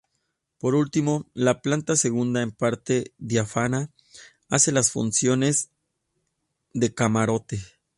Por último, la planta segunda, en parte diáfana, hace las funciones de camarote.